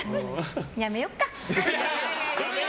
やめよっか！